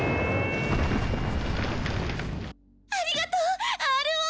ありがとうＲＯ！